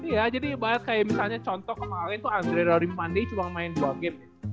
iya jadi kayak misalnya contoh kemaren tuh andre rory mpande cuma main dua game